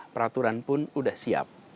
peraturan pun sudah siap